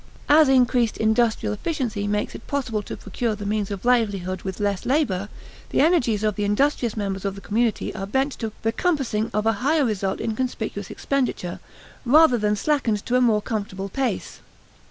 As increased industrial efficiency makes it possible to procure the means of livelihood with less labor, the energies of the industrious members of the community are bent to the compassing of a higher result in conspicuous expenditure, rather than slackened to a more comfortable pace.